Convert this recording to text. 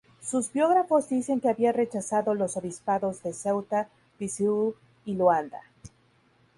Sus biógrafos dicen que había rechazado los obispados de Ceuta, Viseu y Luanda.